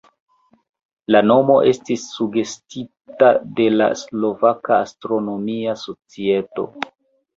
La nomo estis sugestita de la Slovaka Astronomia Societo.